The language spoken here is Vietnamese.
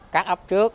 các ấp trước